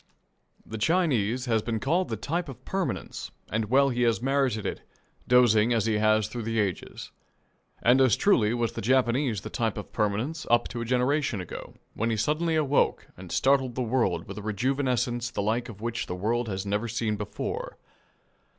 The Chinese has been called the type of permanence, and well he has merited it, dozing as he has through the ages. And as truly was the Japanese the type of permanence up to a generation ago, when he suddenly awoke and startled the world with a rejuvenescence the like of which the world had never seen before.